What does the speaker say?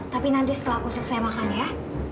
tapi nanti setelah aku selesai makan ya